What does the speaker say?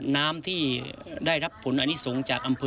น้ำที่ได้รับผลอนิสงฆ์จากอำเภอ